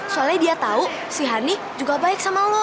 soalnya dia tahu si hani juga baik sama lo